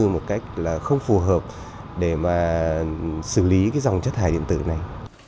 một cách không phù hợp để xử lý dòng chất thải điện tử này